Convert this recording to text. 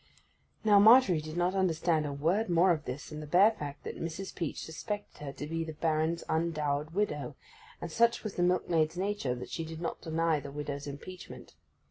Now Margery did not understand a word more of this than the bare fact that Mrs. Peach suspected her to be the Baron's undowered widow, and such was the milkmaid's nature that she did not deny the widow's impeachment.